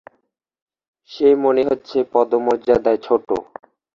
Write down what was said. সে মনে হচ্ছে পদমর্যাদায় ছোট।